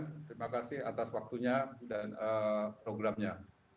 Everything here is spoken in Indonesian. terima kasih atas waktunya dan programnya